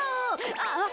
あっ！